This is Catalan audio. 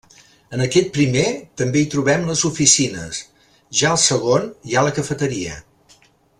En aquest primer, també hi trobem les oficines; ja al segon, hi ha la cafeteria.